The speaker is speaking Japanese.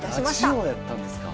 ラジオやったんですか。